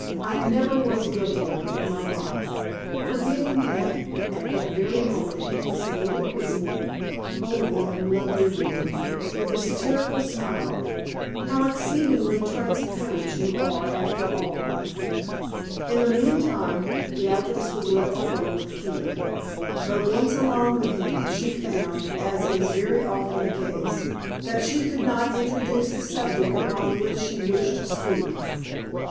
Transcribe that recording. I never was guilty of it in my life" forgetting that at that very moment he was soliloquizing. "Oh, woman, lovely woman," with a satirical smile, "how exceedingly transparent you are after all!" In the meantime, Beatrix was left alone with Keith; but once alone with him, she found, as is very often the case, that she could not introduce the subject upon which she wished to speak.